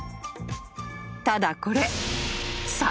［ただこれ］